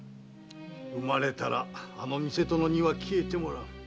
産まれたらあの偽殿には消えてもらう。